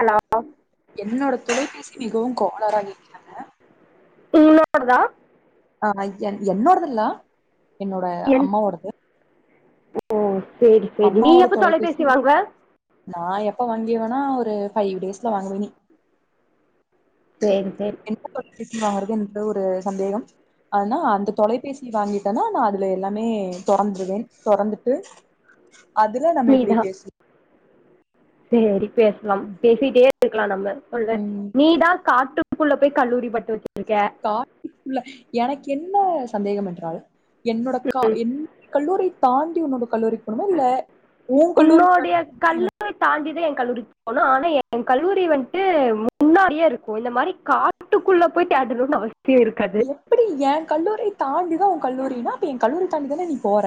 Hello என்னோட தொலைபேசி மிகவும் கோலாராகிக்கது இன்னொரு தா ஆஹ் என் என்னோடதுல்லா என்னோட என் அம்மாவோடது ஓ சேரி சேரி நீ எப்பொ தொலைபேசி வாங்வ நா எப்ப வாங்கியவேனா ஒரு ஃபைவ் டேஸ்ல வாங்குவனி சரி சரி என்ன தொலைபேசி வாங்குறது என்ற ஒரு சந்தேகம் ஆனா அந்த தொலைபேசி வாங்கிட்டனா நா அதுல எல்லாமே தொறந்த்றுவேன் தொறந்துட்டு அதுல்ல நம்ம இப்டி பேஸ் சேரி பேஸ்லாம் பேசிட்டே இருக்லா நம்ம சொல்றே ம். நீதா காட்டு க்குள்ள பொய் கல்லூரி பட்டுவ காட்டுகுள்ள எனக்கு என்ன சந்தேகம் என்றாள் என்னோட கா ம் என் கல்லூரி தாண்டி உன்னோட கல்லூரிக்கு போணுமா இல்ல ஓ கல்லூரி உன்னோடைய தாண்டிதா என்னோட கல்லூரி தாண்டி தான் என் கல்லூரி போகணும் ஆனா என் கல்லூரி வந்ட்டு முன்னாடியே இருக்கு இந்த மாரி காட்டுக்குள்ள போய் தேடணுன்னு அவசி எப்டி ஏ கல்லூரி தாண்டிதா உ கல்லூரினா அப்ப ஏ கல்லூரி தாண்டிதான நீ போற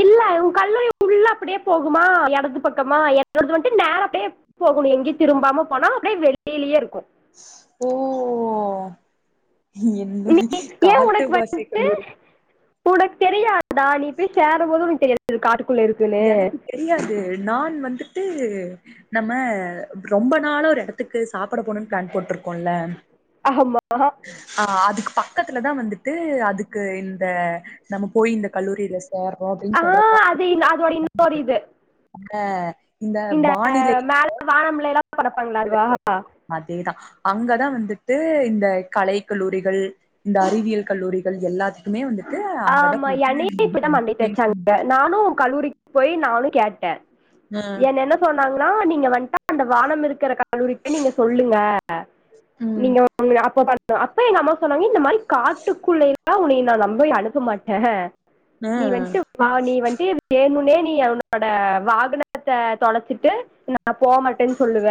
இல்ல ஊ கல்லூரி உள்ள அப்டியே போகுமா எடது பக்கமா என்னோடது வந்ட்டு நேரா அப்டியே போகொணு எங்கயு திரும்பாம போனா அப்டியே வெளியிலயே இருக்கு ஓ என்னோட நீ ஏன் காட்டு பாசி கல்லூரி தெரியாத் தா நீ போய் சேரும் போது உனக்கு தெரியாது அது காட்டுக்குள்ள இருக்குன்னு தூ நம்ம ரொம்ப நாள் ஒரெடத்துக்கு சாப்புட போணுன் ப்ளான் போட்ருக்கோல்ல ஆமா ஆஹ் அதுக்கு பக்கத்துல தா வந்துட்டு அதுக்கு இந்த நம்ம போய் இந்த கல்லூரிலஸ் ஆஹ் அது அதோட இன்னொர் இது அஹ் இந்த பானிலை பங்ள வா அங்கதா வந்துட்டு இந்த கலை கல்லூரிகள் இந்த அறிவியல் கல்லூரிகள் எல்லாத்துக்குமே வந்து ஆமா என்னையு இப்பதா மண்டய தேச்சாங்க நானு கல்லூரிக்கு போய் நானு கேட்ட அ என்ன என்ன சொன்னாங்கன்னா நீங்க வன்ட்டு அந்த வானம் இருக்கற கல்லூரிக்கு நீங்க சொல்லுங்க ம் நீங்க [inaudible] அப்ப அப்ப எங்க அம்மா சொன்னாங்க இந்த மாரி காட்டுக்குள்ளேலா உன்னைய நா நம்பி அனுப் மாட்ட அ நீ வன்ட்டு வா நீ வன்ட்டு வேணுனே [inaudible] என்னோட வாகனத்த தொலச்சிட்டு நா [inaudible] போமாட்டேன்னு சொல்லுவ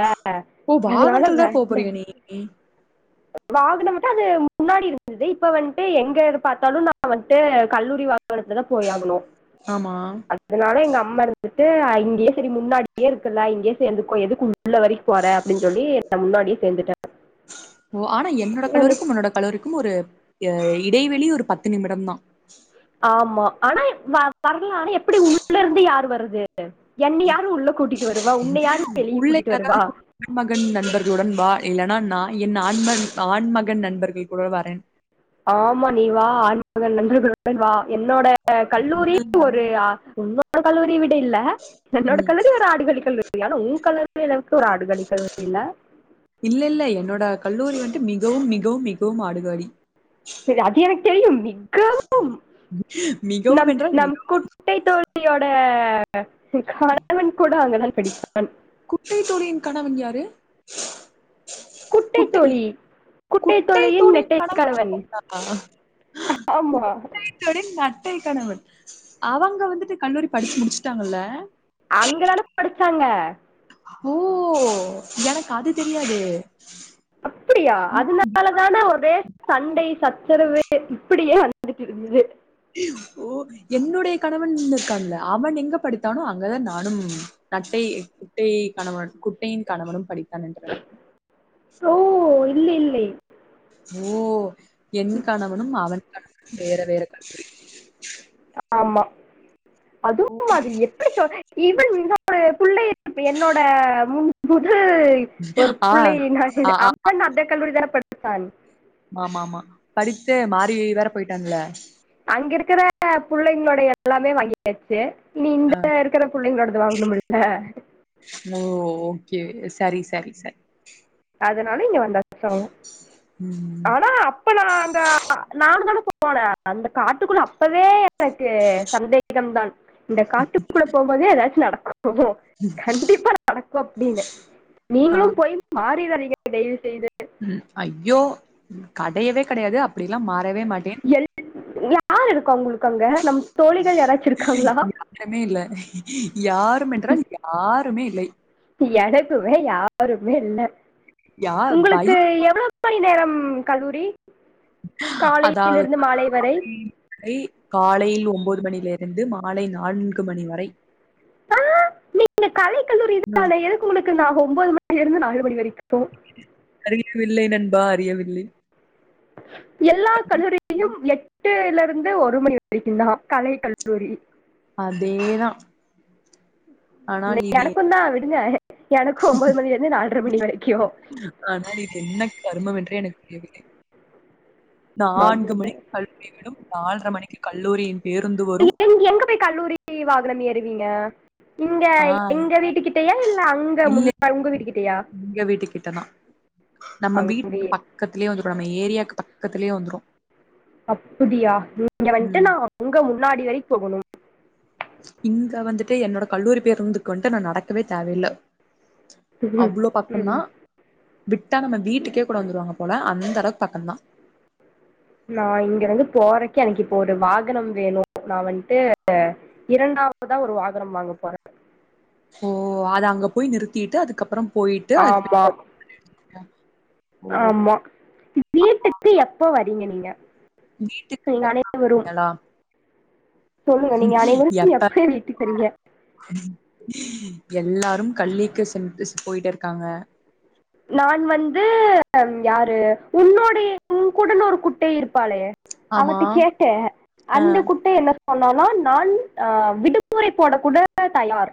ஓ அதனால வாகனத்துல தா போ வேண்டா போறியா நீ வாகனம்தா அது முன்னாடி இருந்துது இப்ப வந்துட்டு எங்க பாத்தாலு நா வன்ட்டு கல்லூரி வா வாகனத்துலதா போயாகணு ஆமா அதனால எங்க அம்மா இருந் ட்டு இங்கயே சரி முன்னாடியே இருக்குல்ல இங்கயே சேந்துக்கோ எதுக்கு உள்ள வரிக் போற அப்டின்னு சொல்லி நா முன்னாடியே சேந்துட்ட ஓ ஆனா என்னோட கலோரிக்கும் உன்னோட கலோரிக்கும் ஒரு அ இடைவெளி ஒரு பத்து நிமிடதா ஆமா ஆனா வர்லா ஆனா எப்டி உள்ள இருந்து யாரு வரது என்னை உன்னை யாரு வெளியே உள்ள கூட்டிட்டு வருவா யாராது [inaudible] மகன் நண்பர்களுடன் வா இல்லனா நா என் ஆண்ம ஆண்மகன் நண்பர்கள் கூட வரன் ஆமா நீ வா ஆண் மகன் நண்பர்களுடன் வா என்னோட கல்லூரி ஒரு கல்லூரி வி இல்ல என்னோட ம் கல்லூரி ஒரு ஆடுகளி கல்லூ எல்லா உ கல் [unintelligible] ஒரு ஆடுகளி [inaudible] இல்ல இல்ல இல்ல என்னோட கல்லூரி வந்து மிகவும் மிகவும் மிகவும் ஆடுகாளி சரி அது எதுக் தெரியும் நீ மிகவும் என்றால் மிகவு ஹ [unintelligible] பிடித்தவன் குட்டை தோழியின் கணவன் யாரு குட்டை குட்டைத்தோழி குட்டை குட்டைத்தோழியின் தோழியின் கணவன் நெட்டைக்கணவன் ஆடுகாடியா? ஆமா தோழின் அத்தை கணவன் அவங்க வந்துட்டு கல்லூரி படிச்சு முடிச்சுட்டாங்கல்ல அங்கதான படிச்சாங்க ஓ எனக்கு அது தெரியாது அப்படியா நா அதனால தான ஒரே சண்டை சச்சரவு இப்படியே வந்துட்டு இருந்தது ஓ என்னுடைய கணவன் இருக்கான்ல அவன் எங்க படித்தானோ அங்கதா நானும் நட்டை குட்டை கணவன் குட்டையின் கணவனு படி தன்றன் இல்லை இல்லை ஓ என் கணவனும் அவ வேற வேற க ஆமா அதுவு அது எப்படி சொ இவன் என்னோ பிள்ளை என்னோட எல்லா ஒரு ஆ பிள்ளை ஆ அம்மன் அந்த கல்லூரி தான படிச்சான் ஆமாமா படித்து மாறி வேற போயிட்டாங்கல அங்க இருக்கிற பிள்ளைங்களோட எல்லாமே வாங்கியாச்சு ஆ [unintelligible] இருக்கிற புள்ளைங்க கூட வாங்க முடியல ஓ ஓக்கே செரி சரி சரி அதனால இங்க வந்தாசவங்க ம் ஆனா அப்ப நா அந்த நானு தான போ போன அந்த காட்டுக்குள்ள அப்பவே எனக்கு சந்தேகம் தான் இந்த காட்டுக்குள்ள போம்போதே எதாச்சு நடக் ஓ கண்டிப்பா நடக்கு அப்டீனு நீங்களு போய் [unintelligible] டெய் உம் அய்யோ கடையவே கடையாது அப்டி ல்லா மா வரவே மாட்டேன் யாரு இருக்க உங்குளுக்கு அங்க நம் தோழிகள் யாராச்சும் இருக்காங்களா யாருமே இல்ல யாரும் என்றால் யாருமே இல்லை எனக்குமே யாருமே இல்ல யா உங்களுக்கு பயம் எவ்ளோ மணி நேரம் ம் கல்லூரி அதாவ் காலையிலிருந்து மாலை வரை [unintelligible] காலையில் ஒம்போது து மணியிலேருந்து மாலை நான்கு மணி வரை அ நீங்க கலை கல்லூரி அ [unintelligible] எதுக்கு உனக்கு நா ஒம்போது ம அ இருந்து நாலு மணி வெரிக்கு அறியவில்லை நண்பா அறியவில்லை எல்லா கல்லூரி [unintelligible] எட் ட்டுலருந்து ஒரு மணி வெரிக்குந்தா கலை கல்லூரி அதேதா எனக்குந்தா விடுங்க எனக்கு ஒம்போது மணில இருந்து நால்ர மணி வரைக்கு ஆனால் இது என்ன கருமம் என்று எனக்கு தெரியவில்லை நான் நான்கு மணி [inaudible] விடும் நால்ர மணிக்கு கல்லூரியின் பேருந்து வரும். நீங்க எங்க போய் கல்லூரி வாகனம் ஏறுவீங்க இங்க ஆ எங்க வீட்டு கிட்டயா இல்ல அங்க இல்ல முன்னா உங்க வீட்டு கிட்டயா எங்க வீட்டுக்கிட்ட தான். நம்ம அங்கயே பக்கத்துலயே வந்துரு அப்புடியா நீங்க வந்ட்டு நா உங்க முன்னாடி வரியு போகனும் இங்க வந்துட்டு என்னோட கல்லூரி பேருந்துக்கு வந்ட்டு நா நடக்கவே தேவயில்ல அவ்ளோ பக்கந்தா ம். விட் டா நம்ம வீட்டுக்கே கூட வந்துருவாங்க போல அந்த அளவுக்கு பக்கந்தா நா இங்க இருந்து போறக்கு எனக்கு இப்போ ஒரு வாகனம் வேணு நா வந்ட்டு இரண்டாவதா ஒரு வாகனம் வாங்க போற ஓ அத அங்க போய் நிறுத்திட்டு அதுக்கப்புறம் போய்ட்டு ஆமா [inaudible] யா ஆமா வீட்டுக்கு எப்ப வ ரீங்க நீங்க வீட்டுக்கு நீங்க எப்ப அனைவரும் வரீங்களா? சொல்லுங்க நீங்க அனைவரும் எப்ப எ வீட்டுக்கு வரீங்க? எல்லாரும் கள்ளிக்கு சென் போயிட்டு இருக்காங்க நான் வந்து யாரு உன்னோடைய உங்குடன் ஒரு குட்டை இருப் பாளே ஆமா. அவட்ட கேட்டே அந்த குட்ட என்ன சொன்னாலா நான் அஹ் விடுமுறை போட கூட தயார்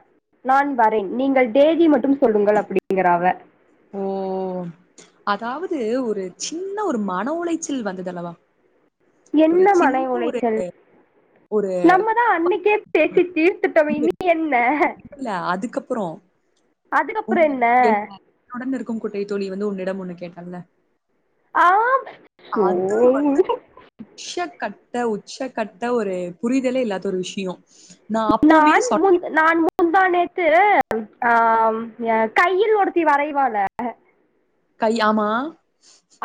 நான் வரேன் நீங்கள் தேதி மட்டும் சொல்லுங்கள் அப்படிங்கிறா அவ ஓ அதாவது ஒரு சின்ன ஒரு மன உளைச்சல் வந்தது அல்லவா? ஒரு என்ன மனை சின்ன ஒரு உளைச்சல் ஒரு நம்மதா அன்னைக்கே பேசி தீர்த்துட்டோமே இனி என்ன? ப்புறோ அதுக்கப்புறோ என்ன? க்கும் குட்டை தோழி வந்து உன்னிடம் ஒண்ணு கேட்டாள்ள? ஆம் சோ அது வந்து [inaudible] சட் கட்ட உச்ச கட்ட ஒரு புரிதலே இல்லாத ஒரு விஷ்யோ நான் முன் நான் முந்தானேத் து ஆஹ் என் கையில் ஒருத்தி வரைவால கை ஆமா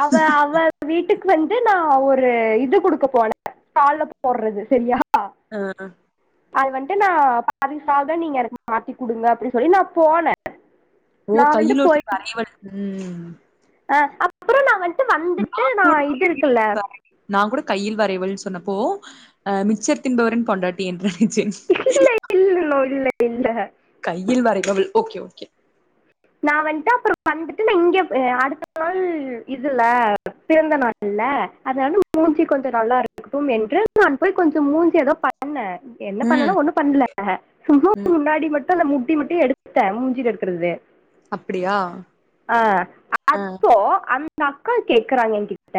அவ அவ வீட் வீட்டுக்கு வந்து நா ஒரு இது குடுக்க போனே [unintelligible] போடுறது சரியா? ஆஹ் அது வந்ட்டு நா பாதிசால்தா நீங்க எனக்கு மாத்தி குடுங்க அப்புடின்னு சொல்லி நா போன ஓ கையில ஒருத்தி வரைவாள் உம் ஆஹ் அப்புறோ நா வந் ட்டு வந்துட்டு நா இது இருக்குல்ல நா கூட கையில் வரைவள்ன்னு சொன்னப்போ அஹ் மிச்சர் தின்பவரின் பொண்டாட்டி என்றா [unintelligible] இல்ல கையில் வரைபள் ஓகே ஓகே நா வந்துட்டு அப்புறோ வந்துட்டு நா இங்க அடுத்த நாள் இதுல்ல பிறந்த நாள் இல்ல அதனால மூஞ்சி கொஞ்சே நல்லா இருக்கட்டு என்று நான் போய் கொஞ்சோ மூஞ்சி ஏதோ பண்ண என்ன ம், பண்ணனும் ஒண்ணும் பண்ணல ம். முன்னாடி மட்டு ட்டத முட்டி முட்டி எடுத்துட்டே மூஞ்சிட்டு எடுக்கறது அப்படியா? ஆஹ் அ, அப்போ அந் ந்தக்கா கேக்குறாங்க கிட்ட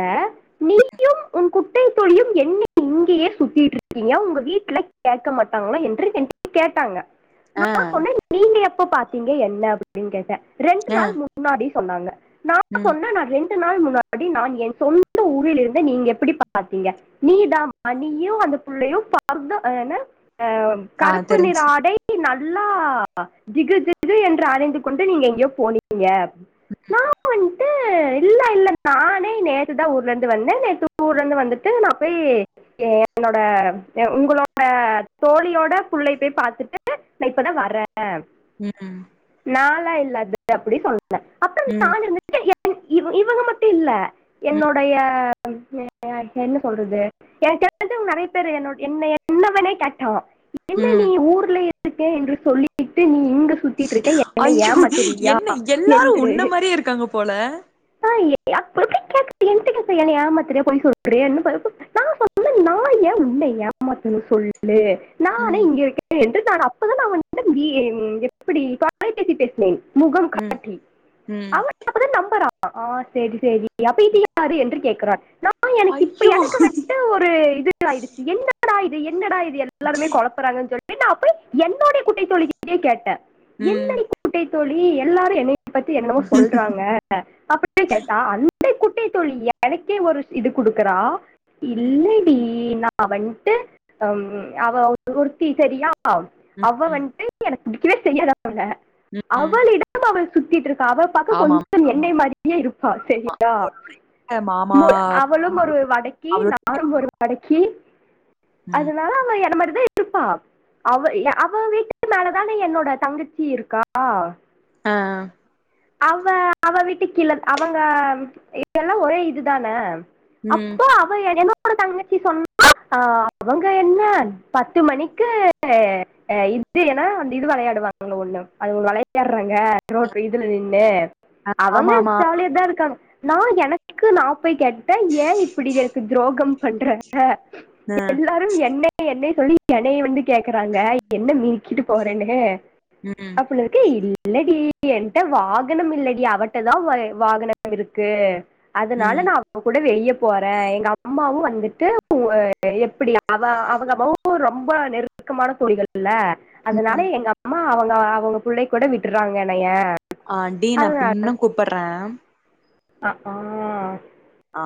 நீயும் உன் குட்டை தோழியும் என்னை இங்கேயே சுத்திட்டு இருக்கீங்க உங்க வீட்ல கேட்க மாட்டாங்களா என்று என் கேட்டாங்க ஆஹ் எப்போ பாத்தீங்க என்ன அப்படின்னு கேட்ட ரெண்டு அ, நாள் முன்னாடி சொன்னாங்க நா ம். சொன்ன நா ரெண் ரெண்டு நாள் முன்னாடி நான் என் சொந்த ஊரில் இருந்து நீங்க எப்படி பாத்தீங்க நீ தான் நீயும் அந்த பிள்ளையும் பாத் என ஆ ஆ கருப்பு நிற தெரிஞ்சுச்சு. ஆடைக்கு நல் எல்லா திகு திகு என்று அணிந்து கொண்டு நீங்க எங்கேயோ போனீங்க நா போன் இல்ல இல்ல நானே நேத்துதான் ஊர்ல இருந்து வந்தேன் நேத்து ஊர்ல இருந்து வந்துட்டு நான் போய் என்னோட உங்களோட தோழியோட புள்ளைய போய் பாத்துட்டு நான் இப்பதான் வர்ரேன் உம் நாளா இல்ல அது அப்படி சொன்னே னே அப்புற ம், நான் இருந்துட்டு ஏ இவ இவங்க மட்டும் இல்ல ம், என்னோடைய [unintelligible] என்ன சொல்றது எனக்குந்துவங்க நெறைய பேரு என்னோட என்ன என்னவனே கேட்டும் உம் இருக்பேன் என்று சொல்லிட்டு நீ இங்கு சுத் ஐயோ என்ன எல்லாரும் என்று உன்ன மாரியே இருக்காங்க போல அப்புரு கிக் கேக் என்திக என்ன ஏமாத்திரியா பொய் சொல்லுறியா என்ன பண்ண போ நான் சொல்ல நீ நான் ஏன் உன்ன ஏமாத்தன்னு சொல் ல்லு நானே ம், இங்க இருக்கேன் என்று நான் அப்பதான் நான் வந்துட்டு பி ஏ அப்படி காலேஜ் பத்தி பேசுனேன் முகம் ம், காட்டி ம். அவ அப்பதான் நம்பற ஆஹ் செரி செரி அப்ப இது யாரு என்று கேக்குறான் நான் ஆ எனக்கு இப்ப ஐயோ! எனக்கு வந்து ஒரு இது ஆயிடுச்சு என்னடா இது என்னடா இது எல்லாருமே குழப்பறாங்கு சொல்லி வேனா அப்ப என்னுடைய குட்டை தோழிகிட்ட கேட்டேன் ம். என்னடி குட்டை தோழி எல்லாரும் என்னை இத பத்தி என்னவோ சொல்றாங்க அப்படினு கேட்டா அன் ஏ குட்டைத் தோழி எனக்கே ஒரு இது குடுக்குறா ம். இல்லடி நா வன்ட்டு அவ ஒருத்தி செரியா ஆம் ம். அவ ம். வந்துட்டு எனக்கு வந்துட்டு செய்யல ம். [unintelligible] ம். அவளிடம் அவள் சுத்திட்டு இரு அவ பாக்க ஆமா, கொஞ்சம் என்னை மாதிரியே இருப்பா ஆமா. சரியா அ மாமா அவளும் ஒரு வடக்கி அவளோட நானும் ஒரு வடக்கி ம். அதனால அவ என மாரி [unintelligible] இருப்பா அவ இல அவ வீட்டுக்கு மேலதான என்னோட தங்கிச்சி இருக்கா ஆ அவ அவ வீட்டு கீழ அவங்க இதல்லாம் ஒரே இதுதானே ம். அப்போ அவ என தங்கச்சி சொன்னா அவங்க என்ன பத்து மணிக்கு இது என இது விளையாடுவாங்க ஒண்ணு அது விளையாடுறாங்க அப்புறமா போயி இதுல இன்ன அவங்க ஆமாமா. ஜாலிய தா இருக்காங்க நா எனக்கு நா போய் கேட்டுட்டே ஏன் இப்டி எனக்கு துரோகம் பண்றாங்க அ. எல்லாரும் என்ன என்ன சொல்லி எனைய வந்து கேக்குறாங்க என்ன மினிக்கிட்டு போறேனு ம். அப் [unintelligible] இல்லடி என் எங்கிட்ட வாகனம் இல்லடி அவட்ட தான் வாகனங்கள் இருக்கு அதனால ம். நா அவுங்க கூட வெளிய போறே எங்க அம்மம்மாவு வந்துட்டு எப்படி அவ அவங்க அம்மாவு ரொம்ப நெருக்கமான தோழிகள் இல அதனால ம். எங்க அம்மா ஆ அவுங்க அவுங்க புள்ளங்கூட விட்டுறாங்க எனைய ஆ ஆண்டி நா பின்னு கூப்பிடுற ஆ ஹும் ஆ